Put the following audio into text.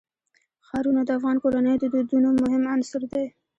ښارونه د افغان کورنیو د دودونو مهم عنصر دی.